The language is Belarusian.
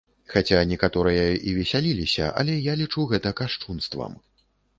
Хаця некаторыя і весяліліся, але я лічу гэта кашчунствам.